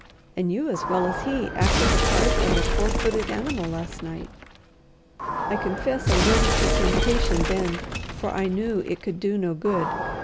And you as well as he acted the part of a four footed animal last night." "I confess I yielded to temptation then, for I knew it could do no good.